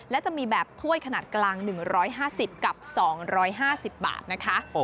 และจะมีแบบถ้วยขนาดกลาง๑๕๐กับ๒๕๐บาทนะคะ